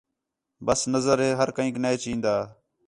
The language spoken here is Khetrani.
بس نظر ہر کہینک نے چَہن٘دا